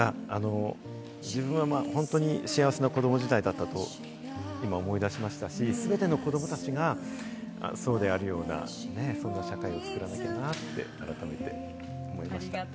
自分は本当に幸せな子ども時代だったと今思い出しましたし、全ての子供たちがそうであるような、そんな社会を作らなきゃなって改めて思いました。